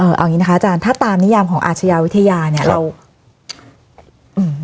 เอางี้นะคะอาจารย์ถ้าตามนิยามของอาชญาวิทยาเนี้ยเราอืม